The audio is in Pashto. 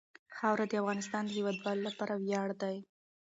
خاوره د افغانستان د هیوادوالو لپاره ویاړ دی.